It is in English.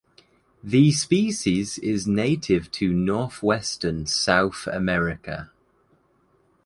The species is native to northwestern South America.